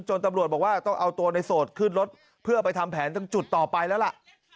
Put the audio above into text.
ตำรวจบอกว่าต้องเอาตัวในโสดขึ้นรถเพื่อไปทำแผนตรงจุดต่อไปแล้วล่ะ